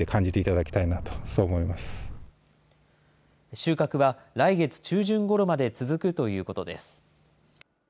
収穫は来月中旬ごろまで続くということです。